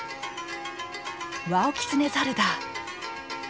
ワオキツネザルだ。